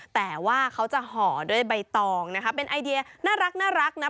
แต่ว่าเขาจะห่อด้วยใบตองนะคะเป็นไอเดียน่ารักนะ